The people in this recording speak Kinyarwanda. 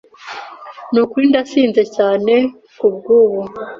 Nukuri ndasinze cyane kubwubu.